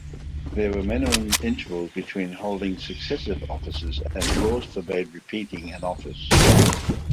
There were minimum intervals between holding successive offices and laws forbade repeating an office.